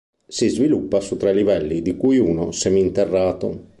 Si sviluppa su tre livelli, di cui uno seminterrato.